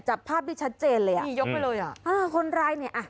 จับภาพได้ชัดเจนเลยอ่ะนี่ยกไปเลยอ่ะอ่าคนร้ายเนี่ยอ่ะ